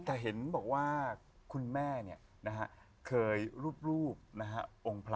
แต่เห็นบอกว่าคุณแม่เคยรูปองค์พระ